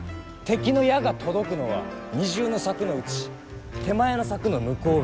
敵の矢が届くのは二重の柵のうち手前の柵の向こう側。